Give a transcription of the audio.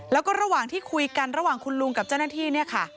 แล้วก็ระหว่างที่คุยกันระหว่างคุณลุงกับเจ้าหน้าที่เนี่ยค่ะ